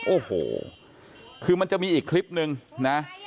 โอ้โหคือมันจะมีอีกคลิปนึงนะ